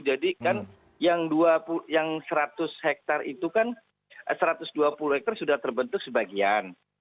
jadi kan yang seratus hektare itu kan satu ratus dua puluh hektare sudah terbentuk sebagian